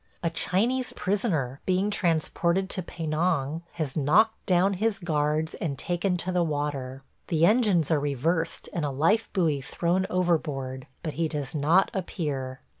A Chinese prisoner, being transported to Penang, has knocked down his guards and taken to the water. The engines are reversed and a life buoy thrown overboard, but he does not appear.